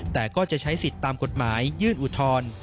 แต่ก็จะใช้สิทธิ์ตามกฎหมายยื่นอุทธรณ์